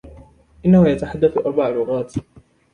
إنةُ يتحدث أربع لغات.